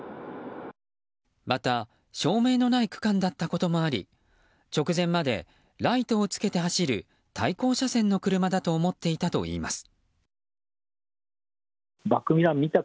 また、照明のない区間だったこともあり直前まで、ライトをつけて走る対向車線の車だと思っていたといいます。